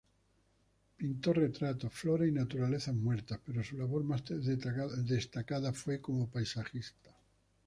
Pintó retratos, flores y naturalezas muertas, pero su labor más destacada fue como paisajista.